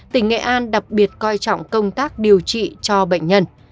tỉnh nghệ an đặc biệt coi trọng công tác điều trị cho bệnh nhân